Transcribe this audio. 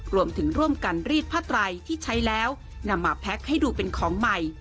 รวมถึงร่วมกันรีดผ้าไตรที่ใช้แล้วนำมาแพ็คให้ดูเป็นของใหม่